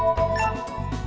hẹn gặp lại